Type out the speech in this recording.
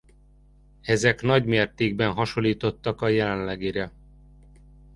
Ezek nagy mértékben hasonlítottak a jelenlegire.